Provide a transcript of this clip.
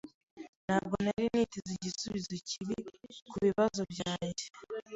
Ntabwo nari niteze igisubizo kibi kubibazo byanjye.